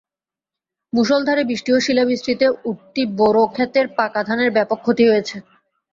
মুষলধারে বৃষ্টি ও শিলাবৃষ্টিতে উঠতি বোরো খেতের পাকা ধানের ব্যাপক ক্ষতি হয়েছে।